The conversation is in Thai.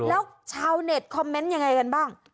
แล้วชาวเน็ตคอมเมนต์ยังไงกันบ้าง